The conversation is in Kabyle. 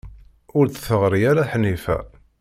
Ur d-teɣri ara Ḥnifa.